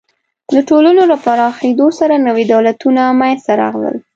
د ټولنو له پراخېدو سره نوي دولتونه منځ ته راغلل.